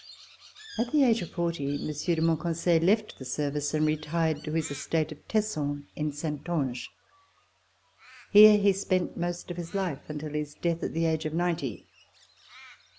At the age of forty, Monsieur de Monconseil left the service and retired to his estate of Tesson in Saintonge. Here he spent most of his life until his death at the age of ninety.